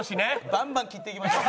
バンバン切っていきましょう！